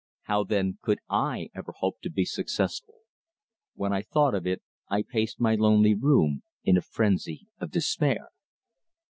How, then, could I ever hope to be successful? When I thought of it, I paced my lonely room in a frenzy of despair.